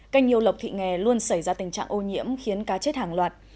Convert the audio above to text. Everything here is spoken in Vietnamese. kênh nhiều lọc thị nghè luôn xảy ra tình trạng ô nhiễm khiến cá chết hàng loạt